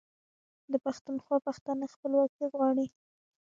د پښتونخوا پښتانه خپلواکي غواړي.